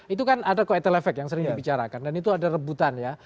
itu kan ada koettel efek yang sering dibicarakan dan itu ada rebutan ya